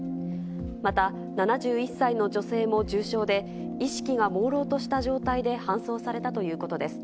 また、７１歳の女性も重傷で、意識がもうろうとした状態で搬送されたということです。